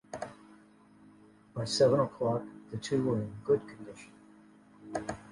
By seven o’clock the two were in good condition.